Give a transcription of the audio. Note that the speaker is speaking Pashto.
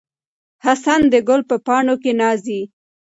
حسن د ګل په پاڼو کې ناڅي.